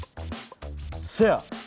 せや！